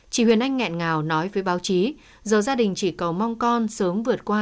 chị huyền anh ngẹn ngào nói với báo chí giờ gia đình chỉ cầu mong con sớm vượt qua